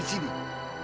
sampai jumpa lagi